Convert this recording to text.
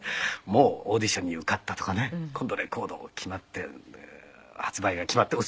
もうオーディションに受かったとかね今度レコード決まって発売が決まって。